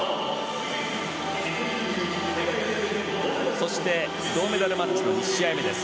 そして、銅メダルマッチの２試合目です。